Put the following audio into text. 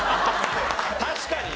確かにな。